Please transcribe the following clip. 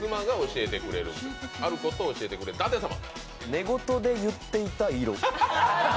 寝言で言っていた色。